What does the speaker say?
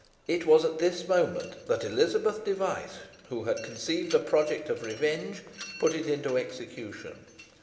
It was at this moment that Elizabeth Device, who had conceived a project of revenge, put it into execution.